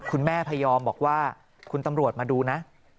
พยอมบอกว่าคุณตำรวจมาดูนะ